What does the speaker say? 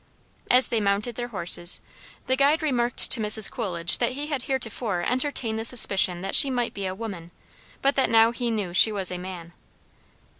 As they mounted their horses, the guide remarked to Mrs. Coolidge that he had heretofore entertained the suspicion that she might be a woman, but that now he knew she was a man.